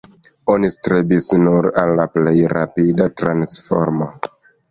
Oni strebis nur al la plej rapida transformo.